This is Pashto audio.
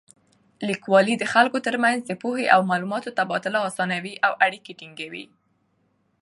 لیکوالی د خلکو تر منځ د پوهې او معلوماتو تبادله اسانوي او اړیکې ټینګوي.